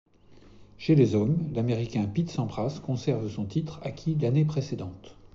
Chez les hommes, l'Américain Pete Sampras conserve son titre acquis l'année précédente.